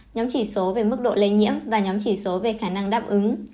nhóm chỉ số về mức độ lây nhiễm và nhóm chỉ số về khả năng đáp ứng